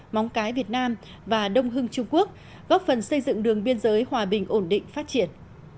móng cái việt nam và đông hưng trung quốc góp phần xây dựng đường biên giới hòa bình ổn định phát triển